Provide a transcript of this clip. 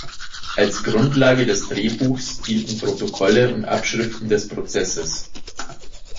Als Grundlage des Drehbuchs dienten Protokolle und Abschriften des Prozesses.